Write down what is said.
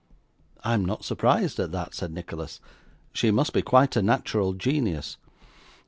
'I am not surprised at that,' said Nicholas; 'she must be quite a natural genius.